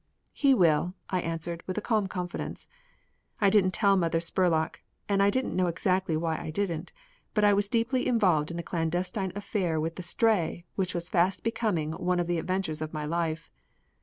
"He will," I answered, with a calm confidence. I didn't tell Mother Spurlock, and I didn't know exactly why I didn't, but I was deeply involved in a clandestine affair with the Stray which was fast becoming one of the adventures of my life.